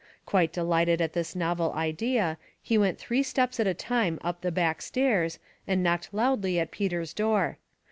Quite delighted at this novel idea, he went three steps at a time up the back stairs, and knocked loudly at Peter's door.